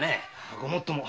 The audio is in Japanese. ごもっとも。